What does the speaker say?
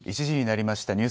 １時になりました。